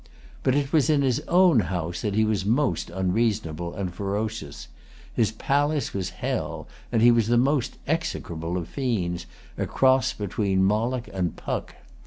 But it was in his own house that he was most unreasonable and ferocious. His palace was hell, and he the most execrable of fiends, a cross between Moloch and Puck.